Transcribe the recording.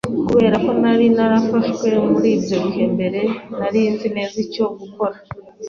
Kubera ko nari narafashwe muri ibyo bihe mbere, nari nzi neza icyo gukora.